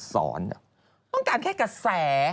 ต้องการแค่กระแส